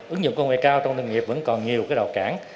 ứng dụng công nghệ cao trong sản xuất nông nghiệp vẫn còn nhiều đào cản